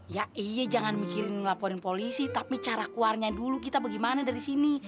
ya iya jangan mikirin laporin polisi tapi cara keluarnya dulu kita bagaimana dari sini